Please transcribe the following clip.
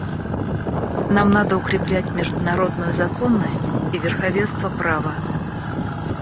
Нам надо укреплять международную законность и верховенство права.